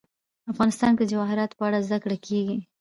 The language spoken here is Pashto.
افغانستان کې د جواهرات په اړه زده کړه کېږي.